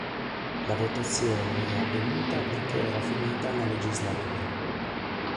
La votazione è avvenuta perché era finita la legislatura.